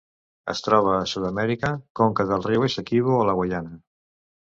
Es troba a Sud-amèrica: conca del riu Essequibo a la Guaiana.